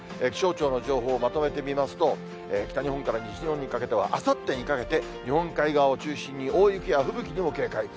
気象庁の情報をまとめてみますと、北日本から西日本にかけては、あさってにかけて、日本海側を中心に大雪や吹雪にも警戒。